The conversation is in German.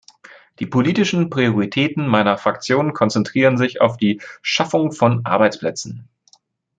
Die politischen Prioritäten meiner Fraktion konzentrieren sich auf die Schaffung von Arbeitsplätzen.